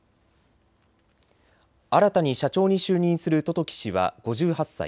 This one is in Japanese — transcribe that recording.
新たに社長に就任する十時氏は５８歳。